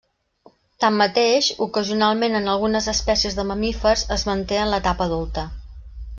Tanmateix, ocasionalment en algunes espècies de mamífers es manté en l'etapa adulta.